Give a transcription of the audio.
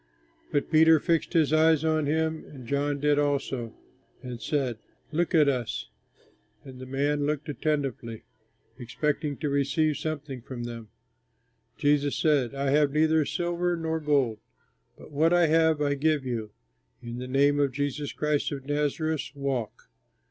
But Peter fixed his eyes on him, and John did also, and said, "Look at us." And the man looked attentively, expecting to receive something from them. Peter said, "I have neither silver nor gold, but what I have I give you. In the name of Jesus Christ of Nazareth, walk!"